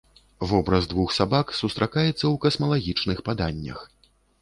Вобраз двух сабак сустракаецца ў касмалагічных паданнях.